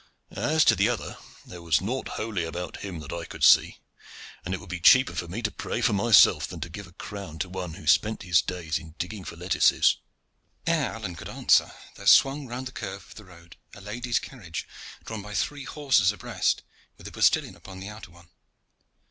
As to the other, there was nought holy about him that I could see, and it would be cheaper for me to pray for myself than to give a crown to one who spent his days in digging for lettuces." Ere Alleyne could answer there swung round the curve of the road a lady's carriage drawn by three horses abreast with a postilion upon the outer one.